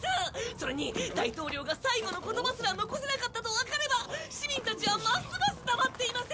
それに大統領が最後の言葉すら残せなかったとわかれば市民たちはますます黙っていませんよ！